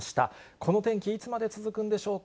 この天気、いつまで続くんでしょうか。